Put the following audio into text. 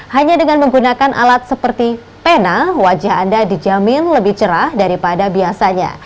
hanya dengan menggunakan alat seperti pena wajah anda dijamin lebih cerah daripada biasanya